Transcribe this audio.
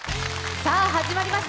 さあ始まりました。